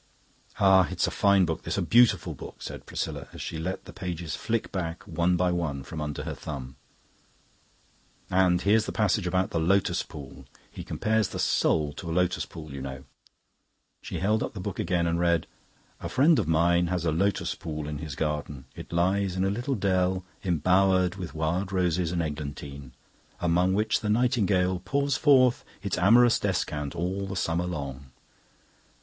"Ah, it's a fine book this, a beautiful book," said Priscilla, as she let the pages flick back, one by one, from under her thumb. "And here's the passage about the Lotus Pool. He compares the Soul to a Lotus Pool, you know." She held up the book again and read. "'A Friend of mine has a Lotus Pool in his garden. It lies in a little dell embowered with wild roses and eglantine, among which the nightingale pours forth its amorous descant all the summer long.